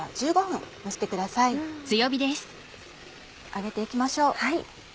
上げて行きましょう。